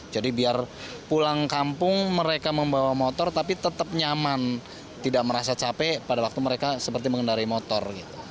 jadi biar pulang kampung mereka membawa motor tapi tetap nyaman tidak merasa capek pada waktu mereka seperti mengendari motor